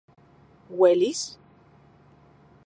¿Uelis...?